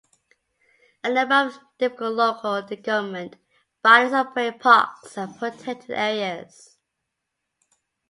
A number of different local government bodies operate parks and protected areas.